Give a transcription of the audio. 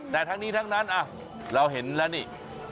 แต่ทั้งนี้ทั้งนั้นเราเห็นแล้วนี่